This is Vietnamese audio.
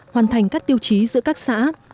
hoàn thành các tiêu chí giữa các xã